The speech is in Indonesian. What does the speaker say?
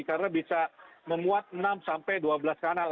karena bisa memuat enam sampai dua belas kanal